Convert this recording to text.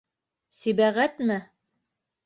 Сибәғәтме?